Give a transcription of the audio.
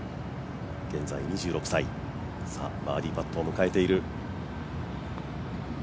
現在２６歳、バーディーパットを迎えている。